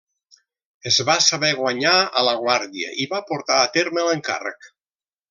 Es va saber guanyar a la guàrdia i va portar a terme l'encàrrec.